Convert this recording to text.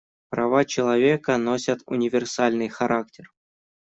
Права человека носят универсальный характер.